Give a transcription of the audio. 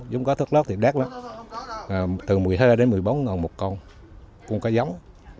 giống có thác lát thì đắt lắm từ một mươi hai đến một mươi bốn ngàn một con cũng có giống